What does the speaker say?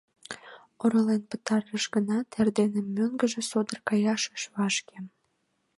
Оролен пытарыш гынат, эрдене мӧҥгыжӧ содор каяш ыш вашке.